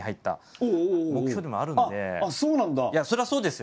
そりゃそうですよ